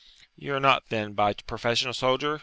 'You are not, then, by profession a soldier?'